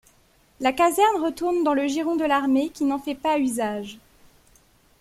La caserne retourne dans le giron de l'armée qui n'en fait pas usage.